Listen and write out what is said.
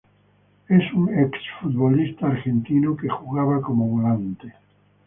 Es un ex futbolista argentino que jugaba como volante.